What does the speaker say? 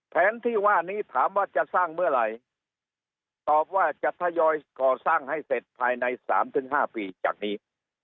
แผนที่ว่านี้ถามว่าจะสร้างเมื่อไหร่ตอบว่าจะทยอยก่อสร้างให้เสร็จภายใน๓๕ปีจากนี้